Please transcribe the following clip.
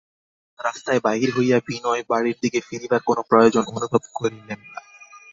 রাস্তায় বাহির হইয়া বিনয় বাড়ির দিকে ফিরিবার কোনো প্রয়োজন অনুভব করিল না।